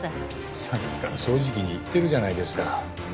さっきから正直に言ってるじゃないですか。